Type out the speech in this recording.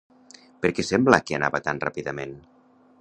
Per què sembla que anava tan ràpidament?